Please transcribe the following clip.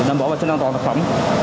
hoặc đảm bảo vệ sinh an toàn thực phẩm